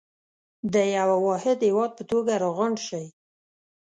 د يوه واحد هېواد په توګه راغونډ شئ.